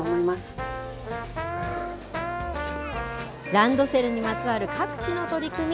ランドセルにまつわる各地の取り組み。